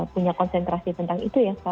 punya konsentrasi tentang itu ya